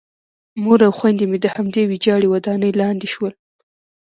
مور او خویندې مې د همدې ویجاړې ودانۍ لاندې شول